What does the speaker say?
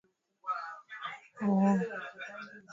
Pamoja na mwanariadha maarufu zaidi wa dunia na